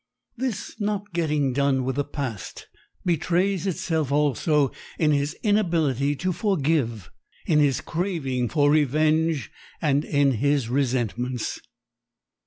This not getting done with the past betrays itself also in his inability to forgive, in his craving for revenge and in his resentments.